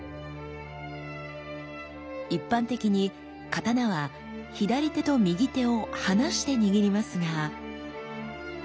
一般的に刀は左手と右手を離して握りますが。